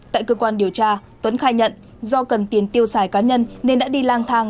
tại cơ quan điều tra tuấn khai nhận do cần tiền tiêu xài cá nhân nên đã đi lang thang